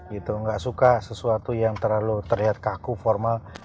gitu nggak suka sesuatu yang terlalu terlihat kaku formal